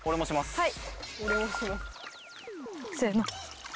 はい。